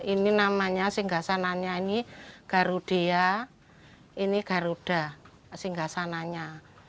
ini namanya singgasananya garudia ini garuda singgasananya